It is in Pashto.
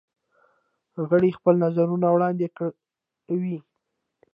غړي خپل نظرونه وړاندې کوي.